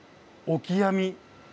オキアミ。